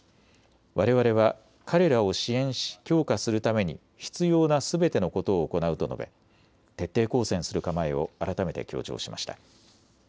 われわれは彼らを支援し強化するために必要なすべてのことを行うと述べ、徹底抗戦する構えを改めて強調しました。